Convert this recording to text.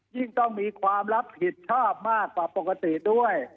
ยิ่งต้องมีความรับผิดชอบมากกว่าปกติด้วย